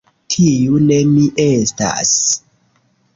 Tiu ne mi estas!